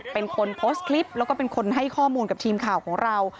เป็นคนโพสต์คลิปแล้วก็เป็นคนให้ข้อมูลกับทีมข่าวของเรา